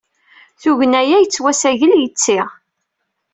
Tugna-a yettwassagel yetti.